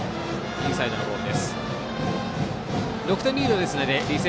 インサイドのボール。